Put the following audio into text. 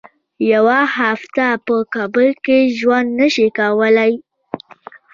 یوه هفته په کابل کې ژوند نه شي کولای.